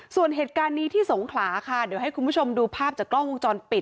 ส่วนเหตุการณ์นี้ที่สงขลาค่ะเดี๋ยวให้คุณผู้ชมดูภาพจากกล้องวงจรปิด